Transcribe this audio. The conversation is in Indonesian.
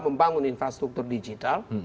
membangun infrastruktur digital